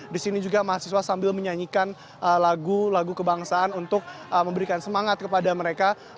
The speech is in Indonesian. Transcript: dan juga mahasiswa sambil menyanyikan lagu lagu kebangsaan untuk memberikan semangat kepada mereka